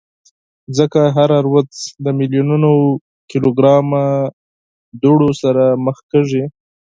مځکه هره ورځ د میلیونونو کیلوګرامه دوړو سره مخ کېږي.